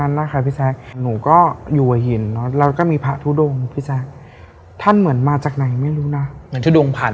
อะเป็นอย่างไรเล่าให้ฟัง